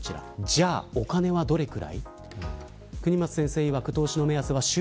じゃあ、お金はどれぐらい。